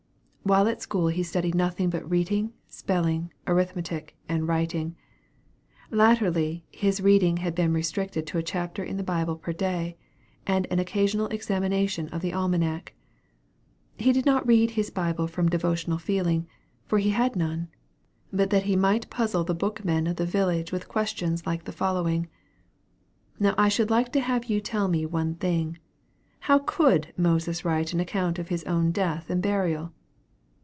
While at school he studied nothing but reading, spelling, arithmetic, and writing. Latterly, his reading had been restricted to a chapter in the Bible per day, and an occasional examination of the almanac. He did not read his Bible from devotional feeling for he had none; but that he might puzzle the "book men" of the village with questions like the following: "Now I should like to have you tell me one thing: How could Moses write an account of his own death and burial?